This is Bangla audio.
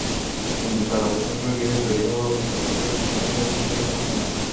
কিন্তু তাঁর অবসরকে ঘিরে তৈরি হওয়া বিতর্কটা যেন শেষই হচ্ছে না।